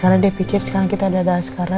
karena dia pikir sekarang kita ada askara